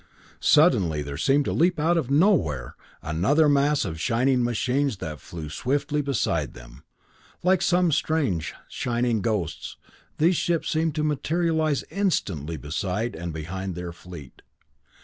Suddenly there seemed to leap out of nowhere another mass of shining machines that flew swiftly beside them. Like some strange, shining ghosts, these ships seemed to materialize instantly beside and behind their fleet.